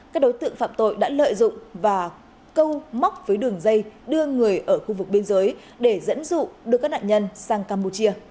các đối tượng phạm tội đã lợi dụng và câu móc với đường dây đưa người ở khu vực biên giới để dẫn dụ đưa các nạn nhân sang campuchia